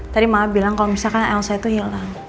tadi mama bilang kalau misalkan elsa itu hilang